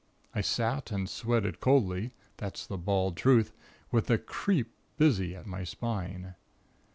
I sat and sweated coldly (that's the bald truth), with the 'creep' busy at my spine....